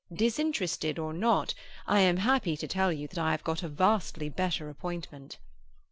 Disinterested or not, I am happy to tell you that I have got a vastly better appointment.